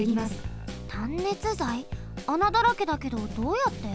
あなだらけだけどどうやって？